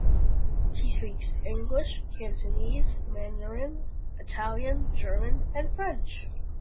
She speaks English, Cantonese, Mandarin, Italian, German and French.